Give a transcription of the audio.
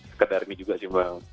sekedar ini juga sih bang